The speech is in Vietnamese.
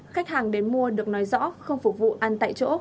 khách hàng đến mua được nói rõ không phục vụ ăn tại chỗ